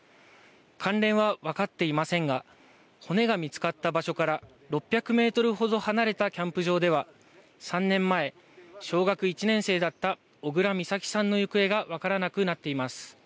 関連は分かっていませんが骨が見つかった場所から６００メートルほど離れたキャンプ場では３年前、小学１年生だった小倉美咲さんの行方が分からなくなっています。